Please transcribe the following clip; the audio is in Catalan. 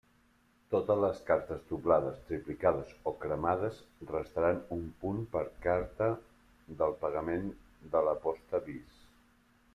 Totes les cartes doblades, triplicades o cremades restaran un punt per carta del pagament de l'aposta vis.